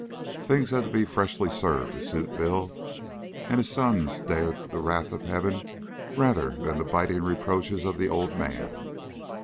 Things had to be freshly served to suit Bill, and his sons dared the wrath of heaven rather than the biting reproaches of the old man.